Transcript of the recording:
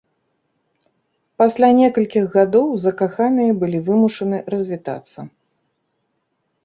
Пасля некалькіх гадоў закаханыя былі вымушаны развітацца.